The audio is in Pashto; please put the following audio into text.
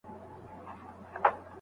شاګرد د خپلو تېروتنو پړه پر غاړه اخلي.